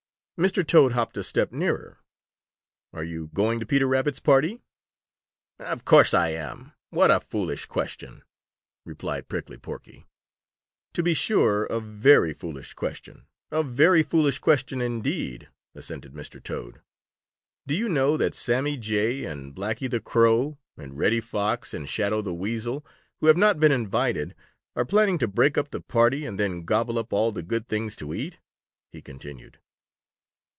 Mr. Toad hopped a step nearer. "Are you going to Peter Rabbit's party?" "Of course I am. What a foolish question," replied Prickly Porky. "To be sure, a very foolish question, a very foolish question, indeed," assented Mr. Toad. "Do you know that Sammy Jay and Blacky the Crow and Reddy Fox and Shadow the Weasel, who have not been invited, are planning to break up the party and then gobble up all the good things to eat?" he continued.